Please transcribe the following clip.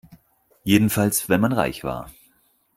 Jedenfalls wenn man reich war.